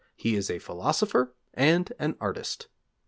he is a philosopher and an artist.'